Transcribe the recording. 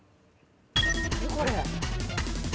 何これ？